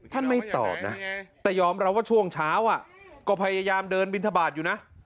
ไม่ตอบนะแต่ยอมรับว่าช่วงเช้าก็พยายามเดินบินทบาทอยู่นะ